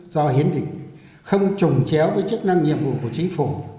do hiến định không trùng chéo với chức năng nhiệm vụ của chính phủ